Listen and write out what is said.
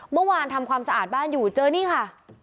เมื่อวานทำความสะอาดบ้านอยู่เจอนี่ค่ะ